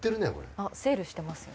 あっセールしてますよ。